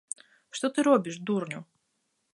Што ты робіш, дурню?!